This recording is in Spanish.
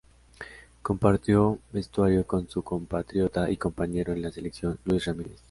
Compartió vestuario con su compatriota y compañero en la selección, Luis Ramírez.